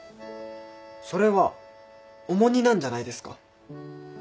それは重荷なんじゃないですか？